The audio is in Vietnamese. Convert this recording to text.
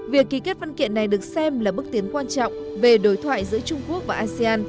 việc ký kết văn kiện này được xem là bước tiến quan trọng về đối thoại giữa trung quốc và asean